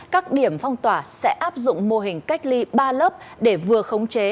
các điểm phong tỏa sẽ áp dụng mô hình cách ly ba lớp để vừa khống chế